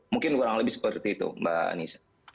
mungkin kurang lebih seperti itu mbak anissa